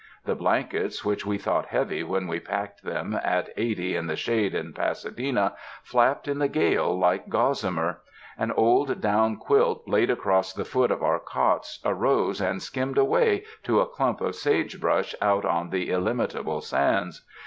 The blankets which we thought heavy when we packed them at eighty in the shade in Pasadena, flapped in the gale like gos samer. An old down quilt laid across the foot of our cots, arose and skimmed away to a clump of sage brush out on the illimitable sands.